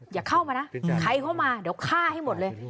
อย่าเข้ามานะใครเข้ามาเดี๋ยวฆ่าให้หมดเลย